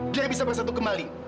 bisa bersatu kembali